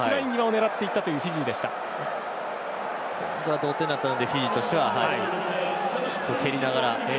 同点になったフィジーとしては蹴りながら。